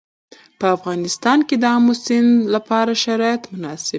په افغانستان کې د آمو سیند لپاره شرایط مناسب دي.